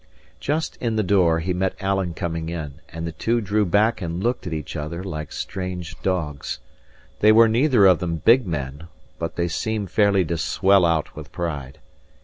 Just in the door, he met Alan coming in; and the two drew back and looked at each other like strange dogs. They were neither of them big men, but they seemed fairly to swell out with pride.